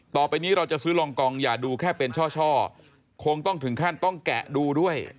ต่อไปนี้เราจะซื้อลองกองอย่าดูแค่เป็นช่อคงต้องถึงขั้นต้องแกะดูด้วย